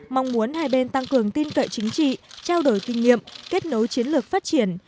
mong muốn hai bên tăng cường tin cậy chính trị trao đổi kinh nghiệm kết nối chiến lược phát triển